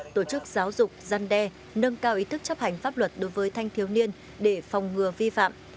tổ chức giáo dục giăn đe nâng cao ý thức chấp hành pháp luật đối với thanh thiếu niên để phòng ngừa vi phạm